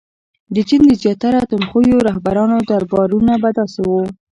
• د چین د زیاتره تندخویو رهبرانو دربارونه به داسې وو.